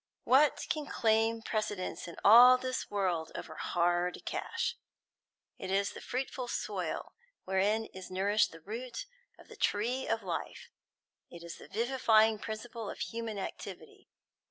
What can claim precedence, in all this world, over hard cash? It is the fruitful soil wherein is nourished the root of the tree of life; it is the vivifying principle of human activity.